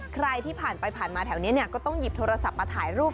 ใครที่ผ่านไปผ่านมาแถวนี้ก็ต้องหยิบโทรศัพท์มาถ่ายรูป